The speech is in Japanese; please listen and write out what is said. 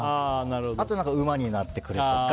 あと馬になってくれとか